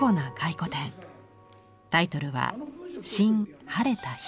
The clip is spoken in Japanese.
タイトルは「新・晴れた日」。